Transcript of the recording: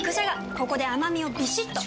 ここで甘みをビシッと！